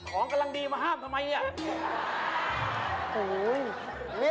ของกำลังดีมาห้ามทำไมอ่ะ